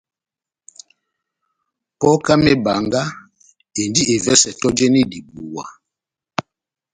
Pokɛ ya mebanga endi evɛsɛ tɔjeni dibuwa.